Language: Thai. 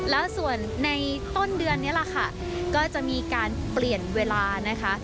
แล้วส่วนในต้นเดือนนี้แหละค่ะก็จะมีการเปลี่ยนเวลานะคะ